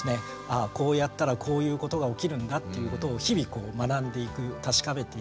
あこうやったらこういうことが起きるんだということを日々学んでいく確かめていく。